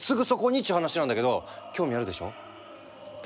っちゅう話なんだけど興味あるでしょ？